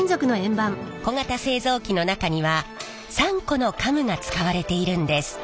小型製造機の中には３個のカムが使われているんです。